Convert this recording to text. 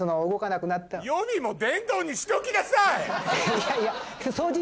いやいや。